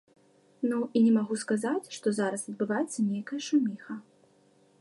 Ну, і не магу сказаць, што зараз адбываецца нейкая шуміха.